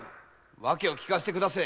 訳を聞かせてくだせえ。